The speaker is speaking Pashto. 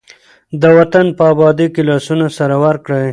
د وطن په ابادۍ کې لاسونه سره ورکړئ.